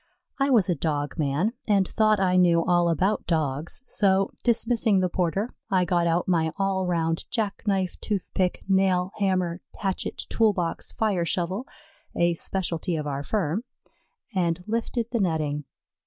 I was a dog man and thought I knew all about Dogs, so, dismissing the porter, I got out my all round jackknife toothpick nailhammer hatchet toolbox fire shovel, a specialty of our firm, and lifted the netting.